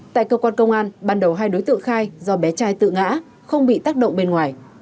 tại cơ quan công an ban đầu hai đối tượng khai do bé trai tự ngã không bị tác động bên ngoài